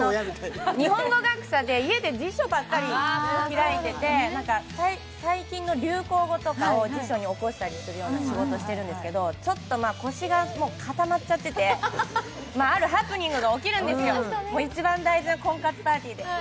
日本語学者で家で辞書ばっかり開いていて最近の流行語を辞書におこしたりする仕事をしているんですけど、ちょっと腰が固まっちゃっててあるハプニングが起きるんですよ、一番大事な婚活パーティーで。